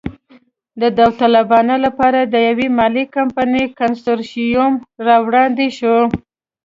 د داوطلبۍ لپاره د یوې مالي کمپنۍ کنسرشیوم را وړاندې شو.